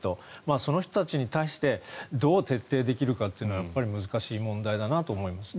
その人たちに対してどう徹底できるのかというのは難しい問題だなと思いますね。